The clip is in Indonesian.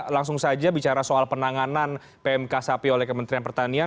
langsung saja bicara soal penanganan pmk sapi oleh kementerian pertanian